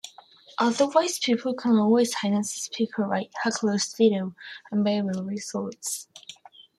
Otherwise people can always silence a speaker by heckler's veto, and Babel results.